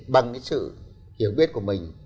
bằng cái sự hiểu biết của mình